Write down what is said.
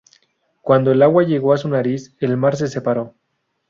Cuando el agua llegó a su nariz, el mar se separó.